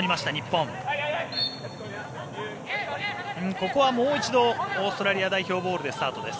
ここはもう一度オーストラリア代表ボールでスタートです。